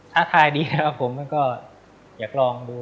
ทัศน์ดีครับผมก็อยากลองดู